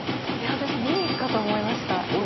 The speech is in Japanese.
私Ｂかと思いました